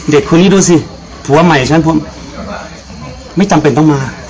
เด็กคนนี้ดูสิผัวใหม่ฉันผมไม่จำเป็นต้องมา